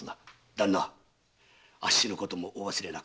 旦那あっしのこともお忘れなく。